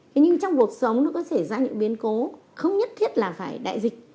thế nhưng trong cuộc sống nó có xảy ra những biến cố không nhất thiết là phải đại dịch